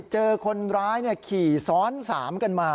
เจอคนร้ายขี่ซ้อน๓กันมา